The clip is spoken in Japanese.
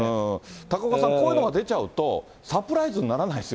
高岡さん、こういうのが出ちゃうとサプライズにならないです